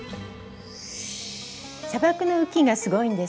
砂漠の雨季がすごいんです。